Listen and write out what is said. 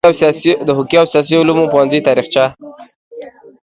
د حقوقو او سیاسي علومو پوهنځي تاریخچه